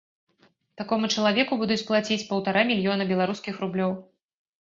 Такому чалавеку будуць плаціць паўтара мільёна беларускіх рублёў.